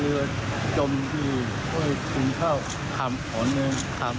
หรือจมที่คุณเข้าอ๋อนึง